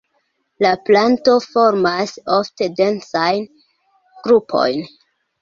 La planto formas ofte densajn grupojn.